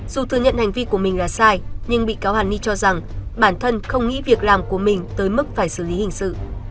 dù thừa nhận hành vi của mình là sai nhưng bị cáo hàn ni cho rằng bản thân không nghĩ việc làm của mình tới mức phải xử lý hình sự